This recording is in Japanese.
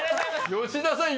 吉田さん